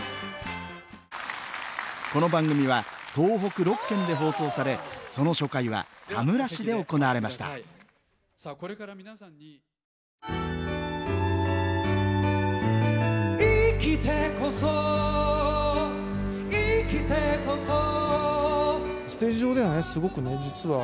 この番組は東北６県で放送されその初回は田村市で行われました「生きてこそ生きてこそ」「黙とう」。